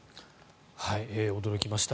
驚きました。